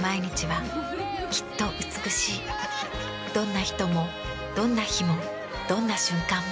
どんな人もどんな日もどんな瞬間も。